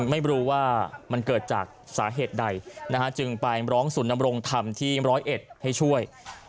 ไม่รู้ว่ามันเกิดจากสาเหตุใดจึงไปร้องศูนย์นำรงธรรมที่๑๐๑ให้ช่วย